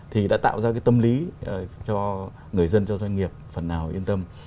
thì đã tạo ra cái tâm lý cho người dân cho doanh nghiệp phần nào yên tâm